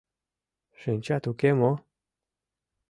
— Шинчат уке мо?